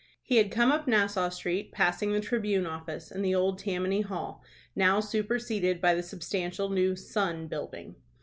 He had come up Nassau Street, passing the "Tribune" Office and the old Tammany Hall, now superseded by the substantial new "Sun" building.